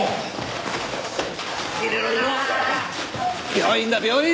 病院だ病院！